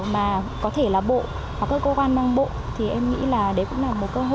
mà có thể là bộ hoặc cơ quan mang bộ